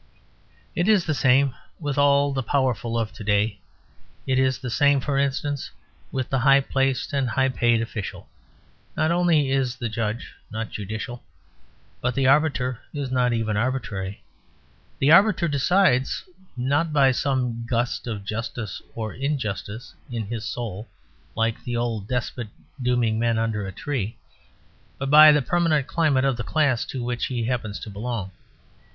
It is the same with all the powerful of to day; it is the same, for instance, with the high placed and high paid official. Not only is the judge not judicial, but the arbiter is not even arbitrary. The arbiter decides, not by some gust of justice or injustice in his soul like the old despot dooming men under a tree, but by the permanent climate of the class to which he happens to belong.